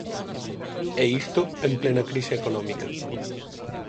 E isto en plena crise económica.